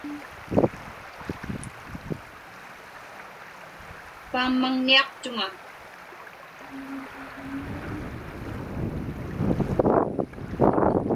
Paammaŋniaqtuŋa.